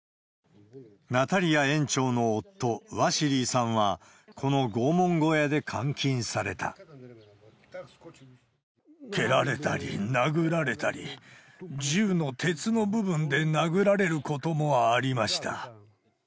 ナタリヤ園長の夫、ワシリーさんは、この拷問小屋で監禁され蹴られたり、殴られたり、銃の鉄の部分で殴られることもありました。